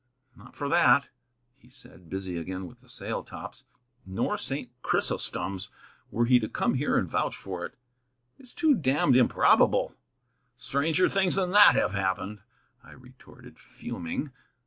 "Not for that," he said, busy again with the sail stops; "nor St. Chrysostom's, were he to come here and vouch for it. It is too damned improbable." "Stranger things than that have happened," I retorted, fuming.